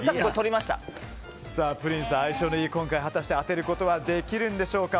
プリンス、相性のいい今回は果たして当てることができるんでしょうか。